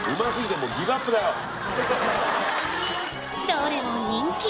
どれも人気！